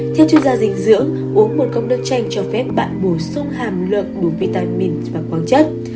theo chuyên gia dinh dưỡng uống một cốc nước chanh cho phép bạn bổ sung hàm lượng đủ vitamin và quang chất